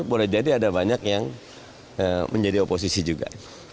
boleh jadi ada banyak yang menjadi oposisi juga